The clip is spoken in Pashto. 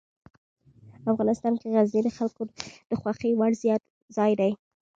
افغانستان کې غزني د خلکو د خوښې وړ ځای دی.